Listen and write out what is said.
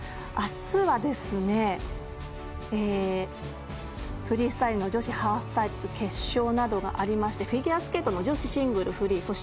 あすは、フリースタイルの女子ハーフパイプ決勝などがありましてフィギュアスケートの女子シングルフリー。